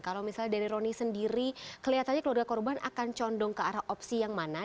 kalau misalnya dari roni sendiri kelihatannya keluarga korban akan condong ke arah opsi yang mana